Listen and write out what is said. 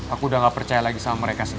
aku udah gak percaya lagi sama mereka sih